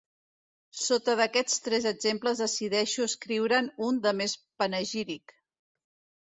Sota d'aquests tres exemples decideixo escriure'n un de més panegíric.